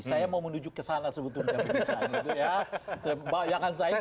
saya mau menuju ke sana sebetulnya